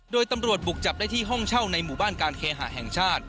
โดยตำรวจบุกจับได้ที่ห้องเช่าในหมู่บ้านการเคหาแห่งชาติ